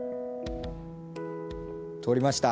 通りました。